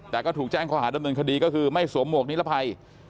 แต่ก็ถูกแจ้งข้อหาดำเนินคดีก็คือไม่สวมหวกนิรภัย